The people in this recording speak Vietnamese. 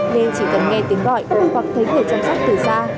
nên chỉ cần nghe tiếng gọi hoặc thấy người chăm sóc từ xa